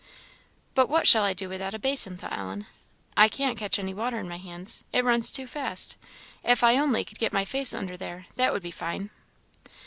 "But what shall I do without a basin?" thought Ellen; "I can't catch any water in my hands, it runs too fast. If I only could get my face under there that would be fine!"